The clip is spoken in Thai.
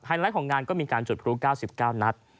ไลท์ของงานก็มีการจุดพลุ๙๙นัด